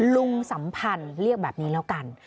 สัมพันธ์เรียกแบบนี้แล้วกัน